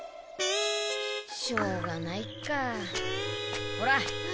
しょうがないかほら。